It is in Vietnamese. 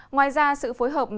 ngoài ra sự phối hợp